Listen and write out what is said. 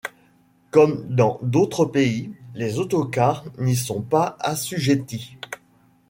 Comme dans d'autres pays, les autocars n'y sont pas assujettis.